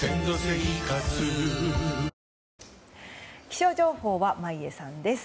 気象情報は眞家さんです。